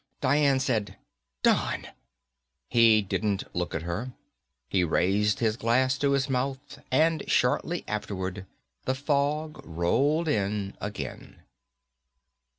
Dian said, "Don!" He didn't look at her. He raised his glass to his mouth and shortly afterward the fog rolled in again.